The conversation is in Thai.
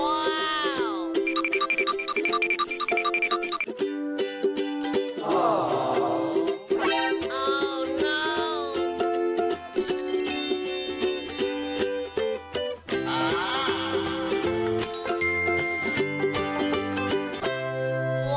ว้าว